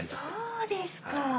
そうですか。